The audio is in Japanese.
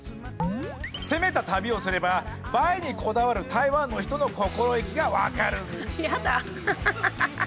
攻めた旅をすれば映えにこだわる台湾の人の心意気が分かるぜ。